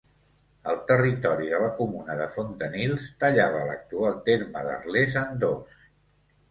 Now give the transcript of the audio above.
El territori de la comuna de Fontanills tallava l'actual terme d'Arles en dos.